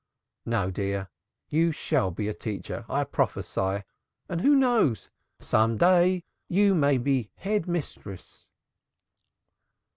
"No, dear. You shall be a teacher, I prophesy, and who knows? Some day you may be Head Mistress!"